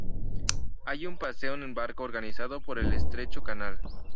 Hay un paseo en barco organizado por el estrecho canal.